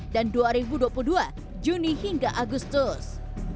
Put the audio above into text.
dan dua ribu dua puluh dua juni hingga agustus